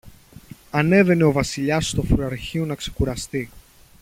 ανέβαινε ο Βασιλιάς στο φρουραρχείο να ξεκουραστεί